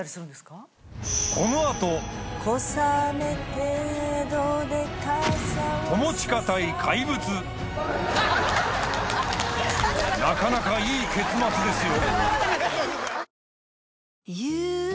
小雨程度でなかなかいい結末ですよ